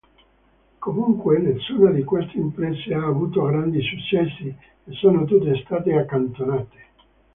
Comunque nessuna di queste imprese ha avuto grandi successi e sono tutte state accantonate.